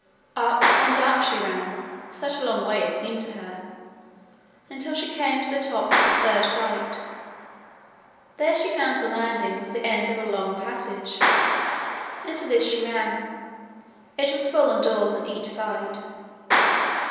Up and up she ran such a long way it seemed to her! until she came to the top of the third flight. There she found the landing was the end of a long passage. Into this she ran. It was full of doors on each side.